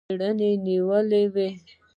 څېره نېولې وه.